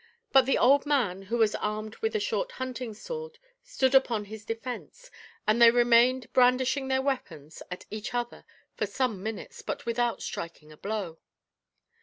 But the old man, who was armed with a short hunting sword, stood upon his defence, and they remained brandishing their weapons at each other for some minutes, but without striking a blow.